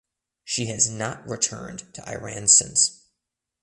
She has not returned to Iran since.